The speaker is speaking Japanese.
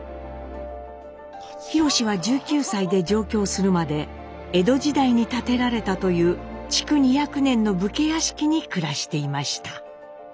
ひろしは１９歳で上京するまで江戸時代に建てられたという築２００年の武家屋敷に暮らしていました。